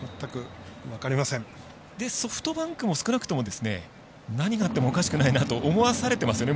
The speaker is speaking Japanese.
ソフトバンクも少なくとも何があってもおかしくないなと思わされてますよね。